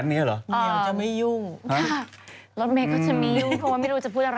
รวดเมล์ก็จะมีหลวงครับเพราะว่าไม่ได้การพูดอะไร